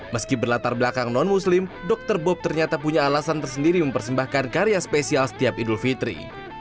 meski berlatar belakang non muslim dokter bob ternyata punya alasan tersendiri mempersembahkan karya spesial setiap idul fitri